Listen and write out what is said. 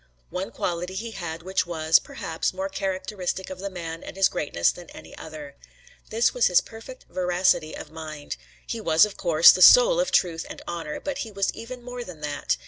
One quality he had which was, perhaps, more characteristic of the man and his greatness than any other. This was his perfect veracity of mind. He was, of course, the soul of truth and honor, but he was even more than that.